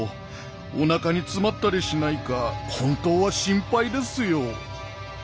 おなかに詰まったりしないか本当は心配ですよ。